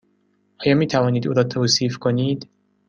آیا می توانید او را توصیف کنید؟